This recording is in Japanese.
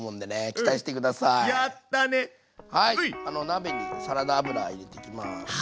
鍋にサラダ油入れていきます。